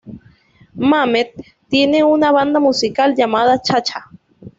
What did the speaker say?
Mamet tiene una banda musical llamada "Chacha".